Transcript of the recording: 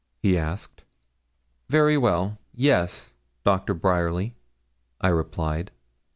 he asked. 'Very well yes, Doctor Bryerly,' I replied.